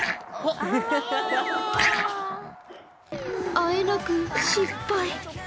あえなく失敗。